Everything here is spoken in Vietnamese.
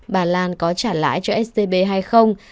bà lan có trả lãi cho scb hay không